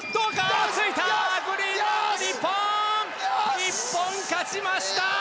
日本勝ちました。